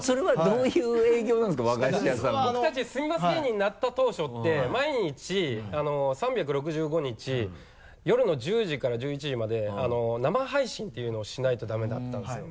僕たち「住みます芸人」になった当初って毎日３６５日夜の１０時から１１時まで生配信っていうのをしないとダメだったんですよ。